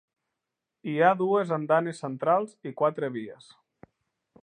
Hi ha dues andanes centrals i quatre vies.